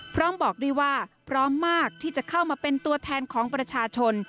พร้อมบอกด้วยว่าพร้อมมากที่จะเข้ามาเป็นตัวแทนของประชาชน